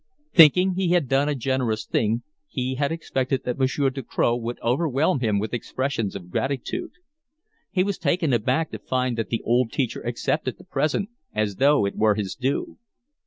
Thinking he had done a generous thing, he had expected that Monsieur Ducroz would overwhelm him with expressions of gratitude. He was taken aback to find that the old teacher accepted the present as though it were his due.